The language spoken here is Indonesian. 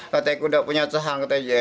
kata aku tidak punya cehang kata dia